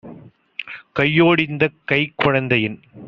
"கையோ டிந்தக் கைக் குழந்தையின்